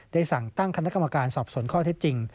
ได้สั่งตั้งคณะกรรมการสอบสวนข้อเท็จจริง